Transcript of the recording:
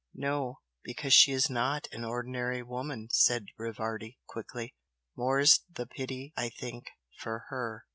"No, because she is not an 'ordinary' woman," said Rivardi, quickly "More's the pity I think for HER!"